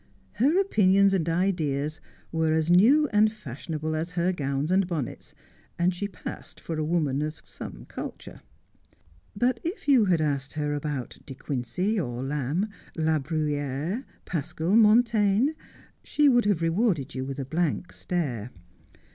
Her opinions and ideas were as new and fashionable as her gowns and bonnets, and she passed for a woman of some culture. But if you had asked her about De Quincey or Lamb, La Bruyere, Pascal, Montaigne, she would have rewarded you with a blank stare.